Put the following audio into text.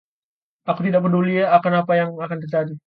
Aku tidak peduli akan apa yang akan terjadi.